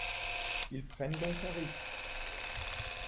Ils prennent donc un risque.